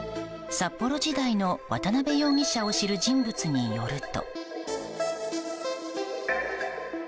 札幌時代の渡邉容疑者を知る人物によると。